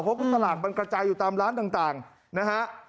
เพราะสลากมันกระจายอยู่ตามร้านต่างนะฮะ